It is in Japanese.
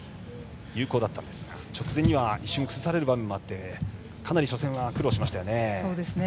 有効だったんですが直前には崩される場面もあってかなり初戦は苦労しました。